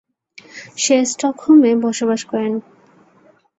সে স্টকহোমে বসবাস করেন।